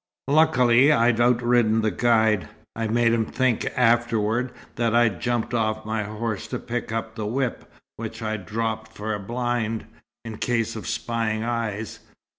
"Luckily I'd outridden the guide. I made him think afterward that I'd jumped off my horse to pick up the whip, which I dropped for a blind, in case of spying eyes.